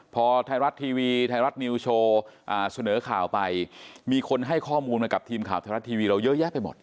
พอไทยรัฐทีวีไทยรัฐนิวโชว์เสนอข่าวไปมีคนให้ข้อมูลมากับทีมข่าวไทยรัฐทีวีเราเยอะแยะไปหมด